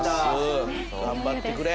頑張ってくれ！